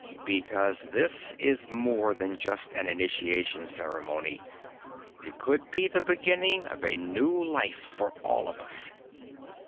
"Because this is more than just an initiation ceremony. It could be the beginning of a new life for all of us."